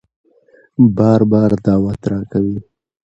بار بار دعوت راکوي